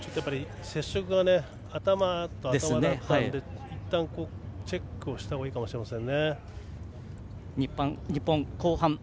接触が頭と頭だったのでいったんチェックしたほうがいいかもしれません。